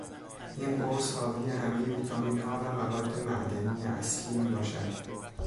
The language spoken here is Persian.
این قرص حاوی همهی ویتامینها و مواد معدنی اصلی می باشد.